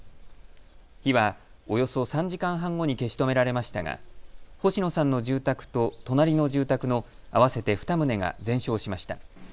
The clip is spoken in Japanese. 火はおよそ３時間半後に消し止められましたが星野さんの住宅と隣の住宅の合わせて２棟が全焼しました。